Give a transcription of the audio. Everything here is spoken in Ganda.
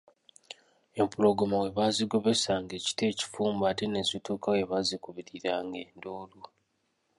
Empologoma bwe baazigobesanga ekiti ekifumba ate ne zituuka we baakubiriranga enduulu.